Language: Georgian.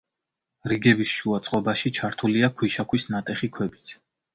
რიგებს შუა წყობაში ჩართულია ქვიშაქვის ნატეხი ქვებიც.